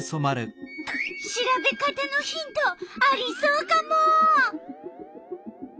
調べ方のヒントありそうカモ！